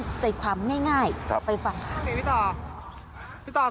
ได้ใจความง่ายง่ายครับไปฝากพี่ต่อพี่ต่อส่งให้เราที่กล้องนี้ท้อใจไหมป่ะ